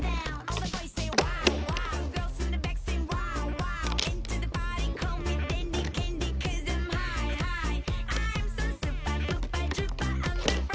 はい！